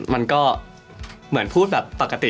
มันก็เหมือนพูดแบบปกติ